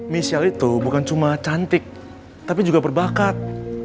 michelle itu bukan cuma cantik tapi juga berbakat